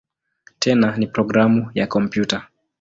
Tena ni programu ya kompyuta.